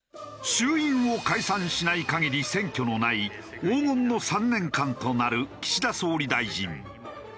衆院を解散しない限り選挙のない黄金の３年間となる岸田総理大臣。